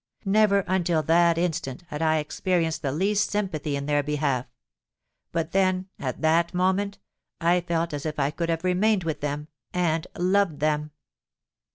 Never until that instant had I experienced the least sympathy in their behalf: but then—at that moment—I felt as if I could have remained with them, and loved them!